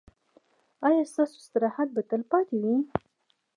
ایا ستاسو استراحت به تلپاتې وي؟